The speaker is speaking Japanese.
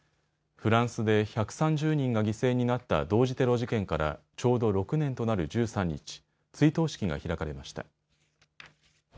フランスで１３０人が犠牲になった同時テロ事件からちょうど６年となる１３日、追悼式が開かれました。